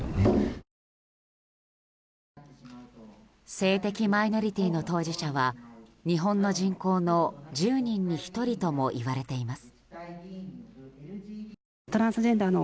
性的マイノリティーの当事者は日本の人口の１０人に１人ともいわれています。